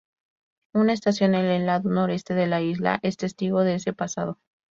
Una estación en el lado noreste de la isla es testigo de ese pasado.